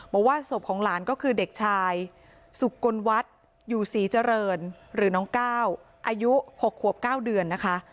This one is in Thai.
บอกว่าศพของหลานก็คือเด็กชายสุกลวัฒน์อยู่ศรีเจริญหรือน้องก้าวอายุ๖ขวบ๙เดือนนะคะ